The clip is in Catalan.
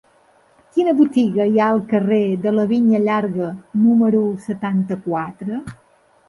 Quina botiga hi ha al carrer de la Vinya Llarga número setanta-quatre?